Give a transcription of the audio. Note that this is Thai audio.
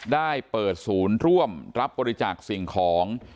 ได้เปิดศูนย์ร่วมรับบริจาคสิ่งของ